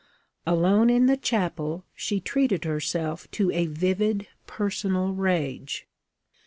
Alone in the chapel, she treated herself to a vivid personal rage.